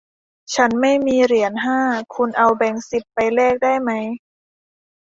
ฉันไม่มีเหรียญห้า คุณเอาแบงค์สิบไปแลกได้ไหม